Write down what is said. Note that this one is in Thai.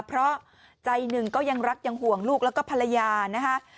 เพราะใจหนึ่งก็ยังรักยังห่วงลูกแล้วก็ภรรยานะคะ